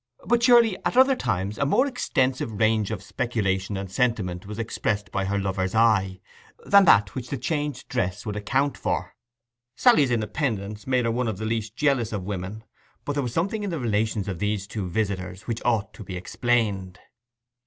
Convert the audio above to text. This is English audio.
But surely at other times a more extensive range of speculation and sentiment was expressed by her lover's eye than that which the changed dress would account for. Sally's independence made her one of the least jealous of women. But there was something in the relations of these two visitors which ought to be explained.